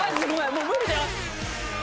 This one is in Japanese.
もう無理だよ！